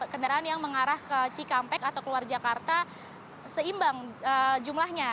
kendaraan yang mengarah ke cikampek atau keluar jakarta seimbang jumlahnya